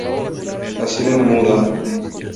La Sirena Muda.